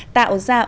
một mươi việc làm